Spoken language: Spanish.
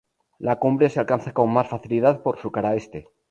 La cumbre se alcanza con más facilidad por su cara este.